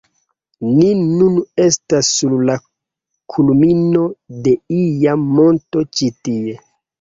Ni nun estas sur la kulmino de ia monto ĉi tie